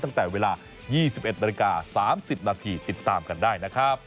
ตั้งแต่เวลา๒๑นาฬิกา๓๐นาทีติดตามกันได้นะครับ